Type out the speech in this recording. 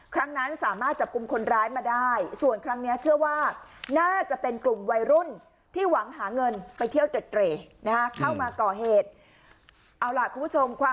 ครั้งนั้นสามารถจับกลุ่มคนร้ายมาได้ส่วนครั้งเนี้ยเชื่อว่า